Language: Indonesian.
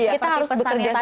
kita harus bekerja sama